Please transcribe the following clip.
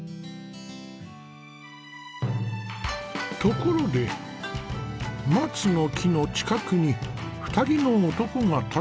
ところで松の木の近くに２人の男が立っている。